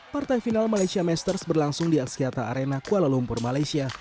partai final malaysia masters berlangsung di askiatha arena kuala lumpur malaysia